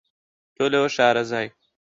تۆ لەوە شارەزای